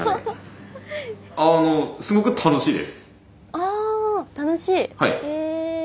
あ楽しいへ。